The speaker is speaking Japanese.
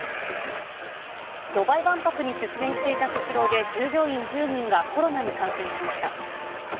ドバイ万博に出店していたスシローで従業員１０人がコロナに感染しました。